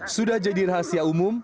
sudah jadi rahasia umum